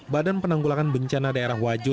badan penanggulangan bencana daerah wajo